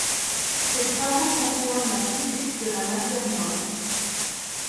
Ses travaux concernent la physique de la matière molle.